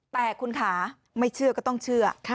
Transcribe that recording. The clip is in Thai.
แต่คุณขาไม่เชื่อก็ต้องเชื่อ